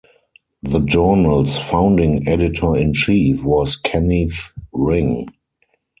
The journal's founding editor-in-chief was Kenneth Ring.